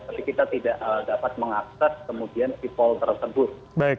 tapi kita tidak dapat mengakses kemudian sipol tersebut